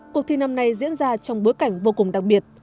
cuộc thi năm nay diễn ra trong bối cảnh vô cùng đặc biệt